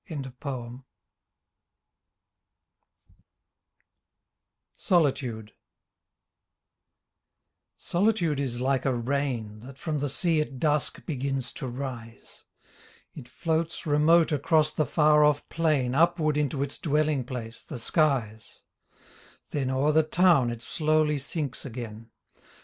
10 SOLITUDE ) Solitude is like a rain That from the sea at dusk begins to rise ; It floats remote across the far off plain Upward into its dwelling place, the skies, Then o'er the town it slowly sinks again.